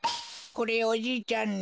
これおじいちゃんに。